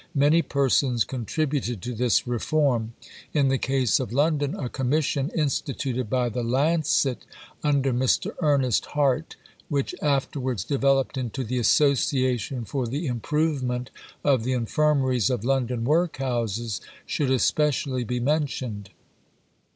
Many persons contributed to this reform. In the case of London, a "Commission," instituted by the Lancet, under Mr. Ernest Hart, which afterwards developed into the "Association for the Improvement of the Infirmaries of London Workhouses," should especially be mentioned.